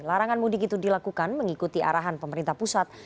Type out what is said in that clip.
larangan mudik itu dilakukan mengikuti arahan pemerintah pusat